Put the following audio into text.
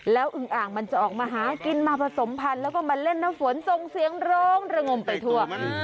แล้วอึงอ่างมันจะออกมาหากินมาผสมพันธุ์แล้วก็มาเล่นน้ำฝนส่งเสียงร้องระงมไปทั่ว